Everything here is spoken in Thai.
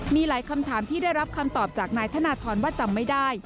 มีหลายคำถามที่ได้รับคำตอบจากนายธนทรว่าจำไม่ได้